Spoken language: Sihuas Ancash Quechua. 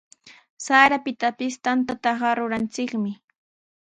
Sarapitapis tantaqa ruranchikmi.